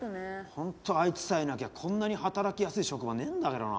ホントあいつさえいなきゃこんなに働きやすい職場ねえんだけどな。